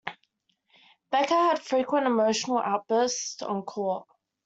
Becker had frequent emotional outbursts on court.